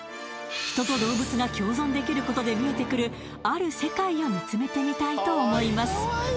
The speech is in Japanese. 人と動物が共存できることで見えてくるある世界を見つめてみたいと思います